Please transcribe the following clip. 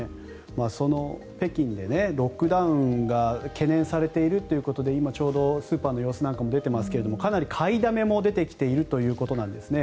その北京でロックダウンが懸念されているということで今、ちょうどスーパーの様子なんかも出ていますがかなり買いだめも出てきているということなんですね。